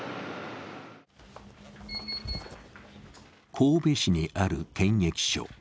神戸市にある検疫所。